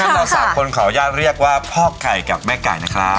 เราสามคนขออนุญาตเรียกว่าพ่อไก่กับแม่ไก่นะครับ